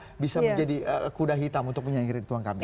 apakah dia bisa menjadi kuda hitam untuk menyangkiri ritwan kamil